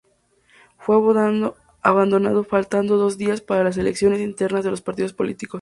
Fue abandonado faltando dos días para las elecciones internas de los partidos políticos.